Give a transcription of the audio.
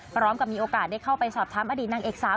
พร้อมกับมีโอกาสได้เข้าไปสอบถามอดีตนางเอกสาว